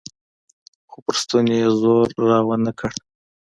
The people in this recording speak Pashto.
خو پر ستوني يې زور راونه کړ.